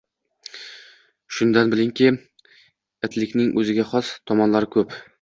Shundan bilingki, itlikning o‘ziga xos tomonlari ko‘p